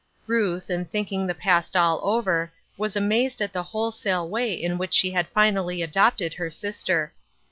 Ruth, in thinking the past all over, was amazed at the wholesale way in which she had finally adopted her sister.